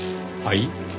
はい？